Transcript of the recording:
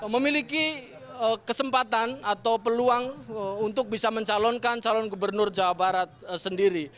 memiliki kesempatan atau peluang untuk bisa mencalonkan calon gubernur jawa barat sendiri